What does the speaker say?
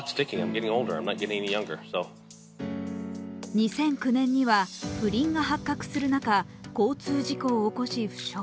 ２００９年には不倫が発覚する中、交通事故を起こし、負傷。